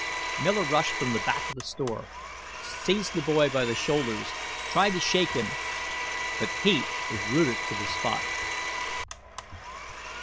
Miller rushed from the back of the store, seized the boy by the shoulders, tried to shake him. But Pete was rooted to the spot.